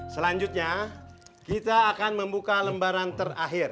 selanjutnya kita akan membuka lembaran terakhir